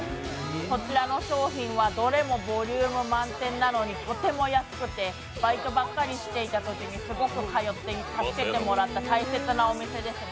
こちらの商品はどれもボリューム満点なのにとても安くてバイトばかりしてたときにすごく通ってた大切なお店です。